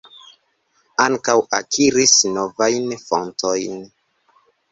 Ankaŭ akiris novajn fontojn.